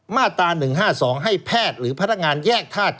มาตรา๑๕๒ให้แพทย์หรือพนักงานแยกธาตุ